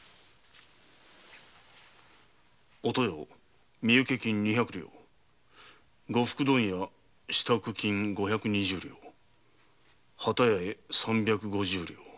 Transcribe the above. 「お豊身請金二百両呉服問屋支度金五百二十両」「機屋へ三百五十両」